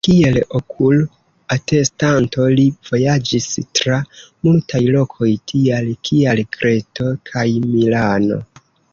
Kiel okul-atestanto, li vojaĝis tra multaj lokoj tiaj kiaj Kreto kaj Milano.